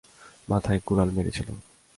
মাথায় কুড়াল মেরেছিল।